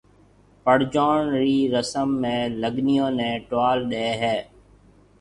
پڙجون رِي رسم ۾ لگنيون نيَ ٽوال ڏَي ھيََََ